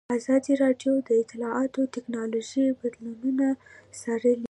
ازادي راډیو د اطلاعاتی تکنالوژي بدلونونه څارلي.